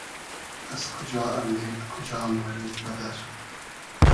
از کوجا امدېد کوجا مۉرید بئدئر؟